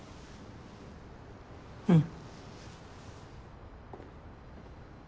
うん。